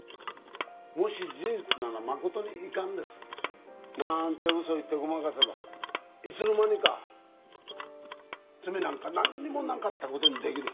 「もし事実なら誠に遺憾です」なんて嘘言ってごまかせばいつの間にか罪なんかなんにもなかった事にできる。